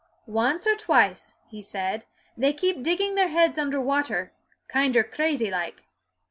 "Once or twice," he said; "they kept dipping their heads under water, kinder crazy like."